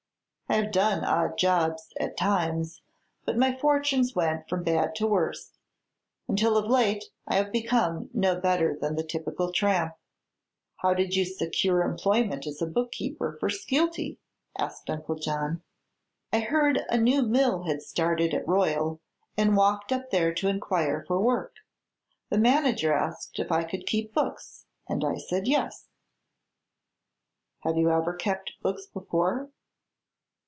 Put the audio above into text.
I have done odd jobs, at times, but my fortunes went from bad to worse until of late I have become no better than the typical tramp." "How did you secure employment as a book keeper for Skeelty?" asked Uncle John. "I heard a new mill had started at Royal and walked up there to inquire for work. The manager asked if I could keep books, and I said yes." "Have you ever kept books before?"